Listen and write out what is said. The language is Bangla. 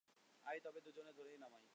আয় তবে, দুজনে ধরেই নামাই।